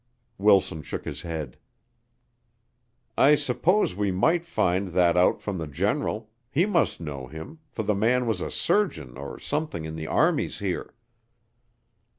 Wilson shook his head. "I suppose we might find that out from the General he must know him, for the man was a surgeon or something in the armies here."